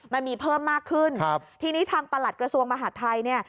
มันมีเพิ่มมากขึ้นครับทีนี้ทางประหลัดกระทรวงมหาดไทยเนี่ย